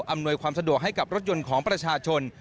อำนวยความสะดวกให้กับรถยนต์ของประชาชน